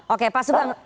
oke pak sugeng